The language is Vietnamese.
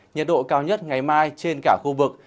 nhiệt độ cao nhất ngày mai trên cả khu vực